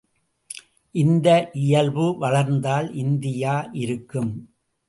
இந்த இயல்பு வளர்ந்தால் இந்தியா இருக்கும்.